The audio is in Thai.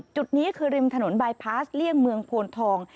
จุดนี้คือริมถนนบายพาสเลี่ยงเมืองโพนทอง